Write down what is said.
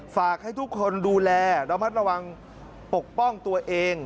ฝากให้ทุกคนดูแลระมัดระวังปกป้องตัวเอง